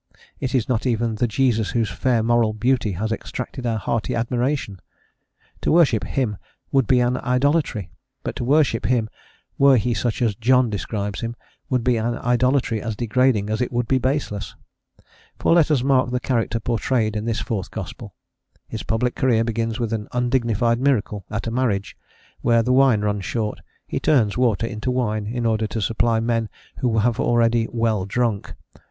It is not even the Jesus whose fair moral beauty has exacted our hearty admiration. To worship him would be an idolatry, but to worship him were he such as "John" describes him would be an idolatry as degrading as it would be baseless. For let us mark the character pourtrayed in this fourth gospel. His public career begins with an undignified miracle: at a marriage, where the wine runs short, he turns water into wine, in order to supply men who have already "well drunk" (ch.